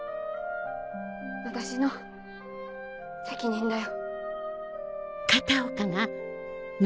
私の責任だよ。